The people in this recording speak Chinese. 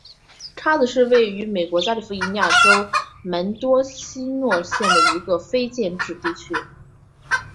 叉子是位于美国加利福尼亚州门多西诺县的一个非建制地区。